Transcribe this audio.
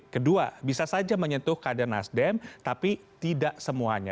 kedua bisa saja menyentuh kader nasdem tapi tidak semuanya